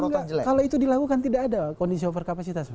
kalau itu dilakukan tidak ada kondisi overcapacitas